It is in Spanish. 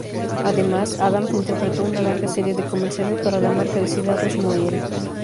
Además, Adams interpretó una larga serie de comerciales para la marca de cigarros Muriel.